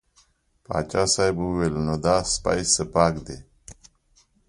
پاچا صاحب وویل نو دا سپی څه پاک دی.